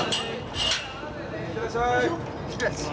行ってらっしゃい。